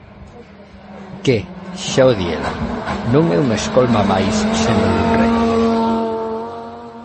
Que, xa o di ela: non é unha escolma máis, senón un reto.